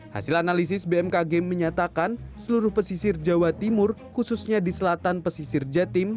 hasil analisis bmkg menyatakan seluruh pesisir jawa timur khususnya di selatan pesisir jatim